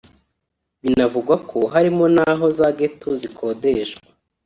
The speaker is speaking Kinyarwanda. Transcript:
Binavugwa ko harimo n’aho za ghetto zikodeshwa